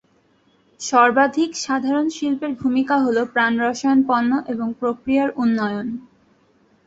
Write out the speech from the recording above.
সর্বাধিক সাধারণ শিল্পের ভূমিকা হল প্রাণরসায়ন পণ্য এবং প্রক্রিয়ার উন্নয়ন।